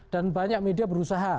dan banyak media berusaha